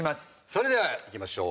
それではいきましょう。